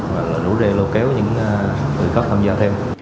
mà lũ rê lôi kéo những người khóc tham gia thêm